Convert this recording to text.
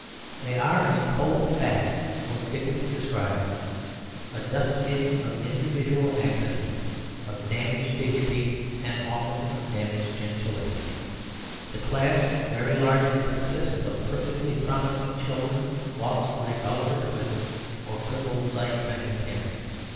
They are, in cold fact, what Dickens describes: "a dustbin of individual accidents," of damaged dignity, and often of damaged gentility. The class very largely consists of perfectly promising children, lost like Oliver Twist, or crippled like Tiny Tim.